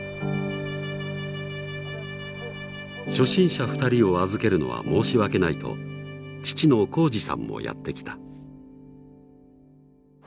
初心者２人を預けるのは申し訳ないと父の公二さんもやって来た。